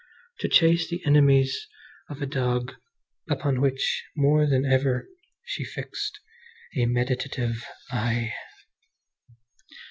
to chase the enemies of a dog upon which, more than ever, she fixed a meditative eye.